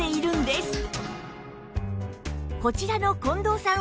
こちらの近藤さん